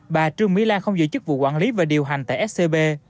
bà trương mỹ lan không giữ chức vụ quản lý và điều hành tại scb